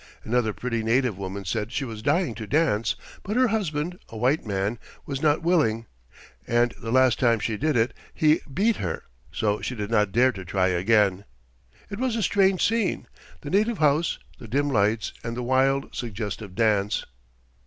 Another pretty native woman said she was dying to dance, but her husband, a white man, was not willing, and the last time she did it he beat her, so she did not dare to try again. It was a strange scene the native house, the dim lights, and the wild, suggestive dance.